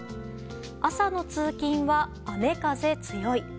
朝の通勤は、雨風強い。